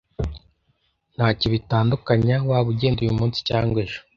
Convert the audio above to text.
Ntacyo bitandukanya waba ugenda uyumunsi cyangwa ejo.